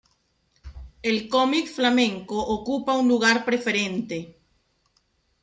El cómic flamenco ocupa un lugar preferente.